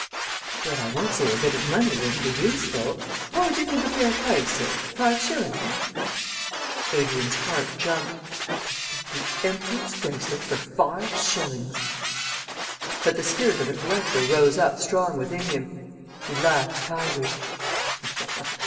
"But I won't say a bit of money wouldn't be useful. What would you think a fair price, sir? Five shillings?" Adrian's heart jumped. To get the Emperor's bracelet for five shillings! But the spirit of the collector rose up strong within him. He laughed kindly.